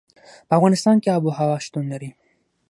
په افغانستان کې آب وهوا شتون لري.